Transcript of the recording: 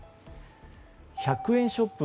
１００円ショップ